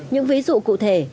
những ví dụ cụ thể